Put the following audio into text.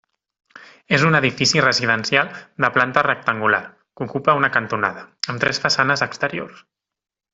És un edifici residencial de planta rectangular, que ocupa una cantonada, amb tres façanes exteriors.